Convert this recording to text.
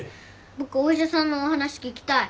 僕お医者さんのお話聞きたい。